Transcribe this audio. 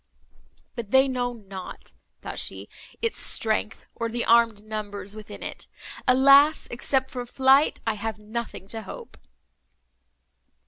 "But they know not," thought she, "its strength, or the armed numbers within it. Alas! except from flight, I have nothing to hope!"